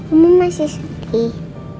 oma masih sedih